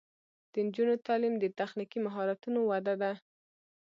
د نجونو تعلیم د تخنیکي مهارتونو وده ده.